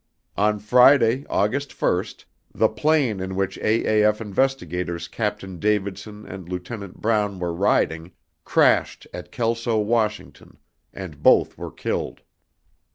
ON FRIDAY, AUGUST FIRST, THE PLANE IN WHICH AAF INVESTIGATORS CAPTAIN DAVIDSON AND LT. BROWN WERE RIDING, CRASHED AT KELSO, WASH. AND BOTH WERE KILLED.